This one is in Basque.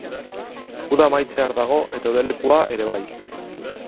Uda amaitzear dago eta udalekua ere bai.